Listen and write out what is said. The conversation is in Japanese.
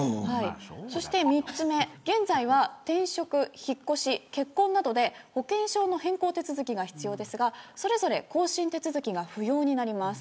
そして、３つ目は、現在は転職、引っ越し、結婚などで保険証の変更手続きが必要ですがそれぞれ更新手続きが不要になります。